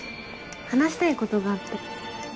話したいことがあって。